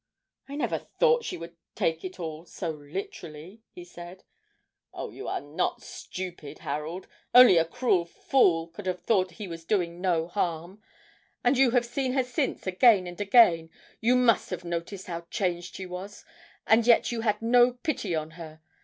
'I never thought she would take it all so literally,' he said. 'Oh, you are not stupid, Harold; only a cruel fool could have thought he was doing no harm. And you have seen her since again and again; you must have noticed how changed she was, and yet you had no pity on her!